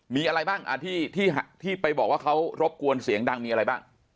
มีอะไรบ้างที่ไปบอกว่าเขารบกวนเสียงดังมีอะไรบ้าง